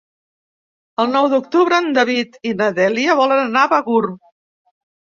El nou d'octubre en David i na Dèlia volen anar a Begur.